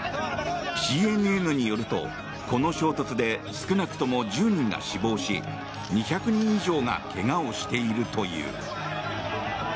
ＣＮＮによると、この衝突で少なくとも１０人が死亡し２００人以上がけがをしているという。